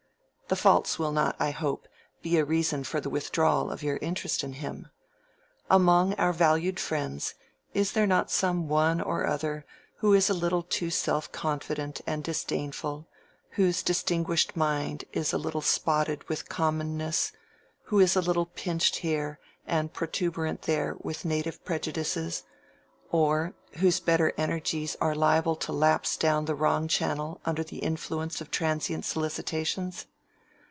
The faults will not, I hope, be a reason for the withdrawal of your interest in him. Among our valued friends is there not some one or other who is a little too self confident and disdainful; whose distinguished mind is a little spotted with commonness; who is a little pinched here and protuberant there with native prejudices; or whose better energies are liable to lapse down the wrong channel under the influence of transient solicitations?